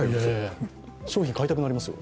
商品、買いたくなりますよ。